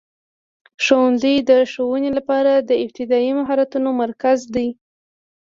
ښوونځی د ښوونې لپاره د ابتدایي مهارتونو مرکز دی.